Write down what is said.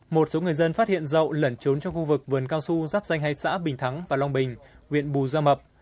một số người dân phát hiện dậu lẩn trốn trong khu vực vườn cao su giáp danh hai xã bình thắng và long bình huyện bù gia mập